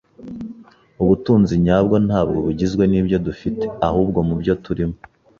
Ubutunzi nyabwo ntabwo bugizwe nibyo dufite, ahubwo mubyo turimo.